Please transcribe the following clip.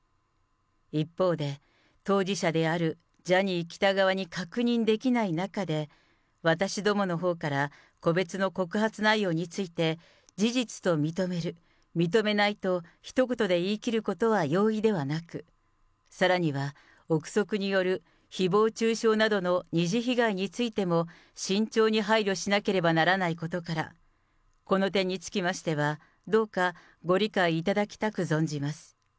一方で、当事者であるジャニー喜多川に確認できない中で、私どものほうから個別の告発内容について事実と認める、認めないと、ひと言で言い切ることは容易ではなく、さらには、臆測によるひぼう中傷などの二次被害についても、慎重に配慮しなければならないことから、この点につきましては、どうかご理解いただきたく存じます。